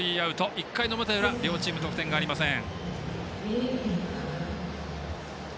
１回の表裏両チーム、得点がありません。